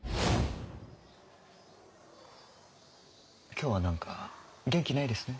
今日はなんか元気ないですね。